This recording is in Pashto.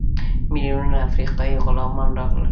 میلیونونه افریقایي غلامان راغلل.